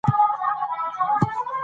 ماشومانو ته پښتو ور زده کړئ.